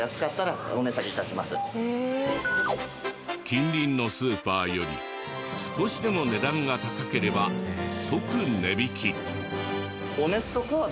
近隣のスーパーより少しでも値段が高ければ即値引き。